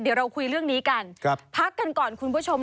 เดี๋ยวเราคุยเรื่องนี้กันพักกันก่อนคุณผู้ชม